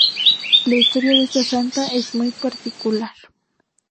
La historia de esta Santa es muy particular.